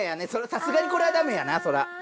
さすがにこれはダメやなそら。